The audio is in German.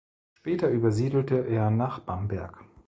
Später übersiedelte er nach Bamberg.